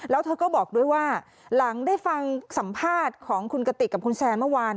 แล้วเธอก็บอกด้วยว่าหลังได้ฟังสัมภาษณ์ของคุณกติกกับคุณแซนเมื่อวาน